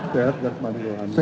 sehat jasmani dan nukhani